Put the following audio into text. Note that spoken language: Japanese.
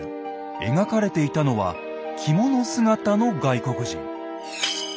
描かれていたのは着物姿の外国人。